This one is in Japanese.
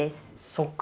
そっか